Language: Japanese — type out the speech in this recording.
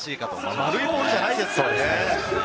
丸いボールじゃないですもんね。